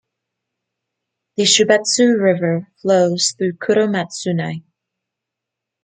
The Shubetsu River flows through Kuromatsunai.